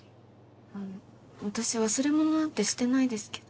あの私忘れ物なんてしてないですけど。